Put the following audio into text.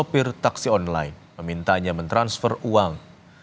sopir taksi online memintanya mentransfer uang